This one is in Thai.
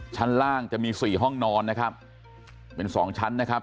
ชั้นล่างจะมีสี่ห้องนอนนะครับเป็นสองชั้นนะครับ